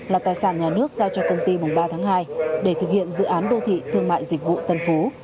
là tài sản nhà nước giao cho công ty mùng ba tháng hai để thực hiện dự án đô thị thương mại dịch vụ tân phú